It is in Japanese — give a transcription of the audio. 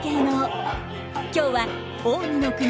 今日は近江の国